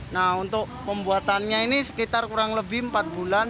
nah untuk pembuatannya ini sekitar kurang lebih empat bulan